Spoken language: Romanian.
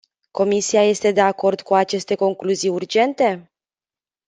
Comisia este de acord cu aceste concluzii urgente?